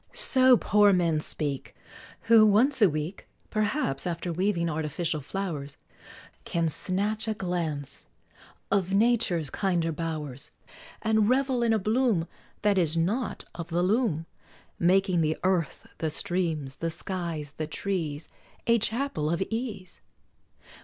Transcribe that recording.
So poor men speak, Who, once a week, P'rhaps, after weaving artificial flowers, Can snatch a glance of Nature's kinder bowers, And revel in a bloom That is not of the loom, Making the earth, the streams, the skies, the trees, A Chapel of Ease.